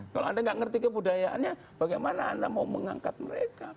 kalau anda nggak ngerti kebudayaannya bagaimana anda mau mengangkat mereka